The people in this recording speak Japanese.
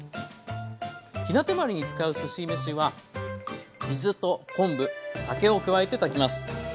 ひな手まりに使うすし飯は水と昆布酒を加えて炊きます。